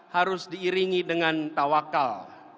harus diiringi dengan tawakal